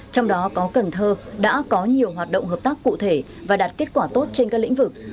trong đó có cần thơ đã có nhiều hoạt động hợp tác cụ thể và đạt kết quả tốt trên các lĩnh vực